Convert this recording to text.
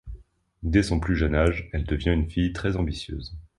Dès son plus jeune âge, elle devient une fille très ambitieuse.